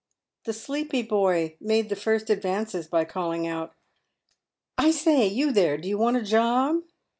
The sleepy boy made the first advances, by calling out, " I say, you there, do you want a job